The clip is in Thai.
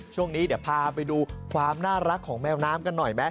ช่วงนี้เดี๋ยวพาไปดูความน่ารักของแมวน้ำกันหน่อยไหม